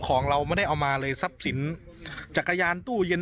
ของเราไม่ได้เอามาเลยทรัพย์สินจักรยานตู้เย็น